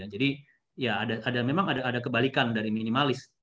jadi memang ada kebalikan dari minimalis